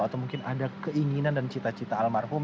atau mungkin ada keinginan dan cita cita almarhum